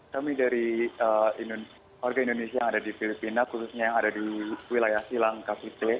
kami dari warga indonesia yang ada di filipina khususnya yang ada di wilayah silang kapite